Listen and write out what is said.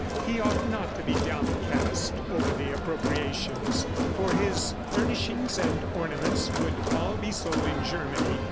He ought not to be downcast over the appropriations, for his furnishings and ornaments would all be sold in Germany.